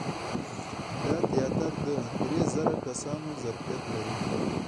دا تیاتر د درې زره کسانو د ظرفیت لري.